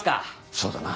そうだな。